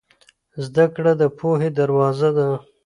زده کړه د پوهې دروازه ده.